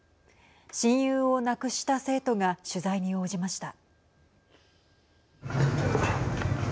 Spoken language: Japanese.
親友を亡くした生徒が取材に応じました。